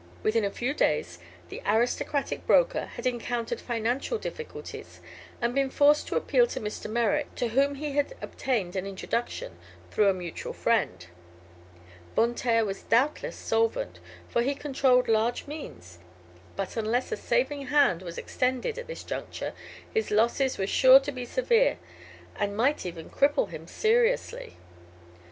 Within a few days the aristocratic broker had encountered financial difficulties and been forced to appeal to Mr. Merrick, to whom he obtained an introduction through a mutual friend. Von Taer was doubtless solvent, for he controlled large means; but unless a saving hand was extended at this juncture his losses were sure to be severe, and might even cripple him seriously.